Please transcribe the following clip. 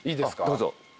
どうぞ。